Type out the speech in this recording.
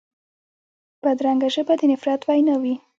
بدرنګه ژبه د نفرت وینا وي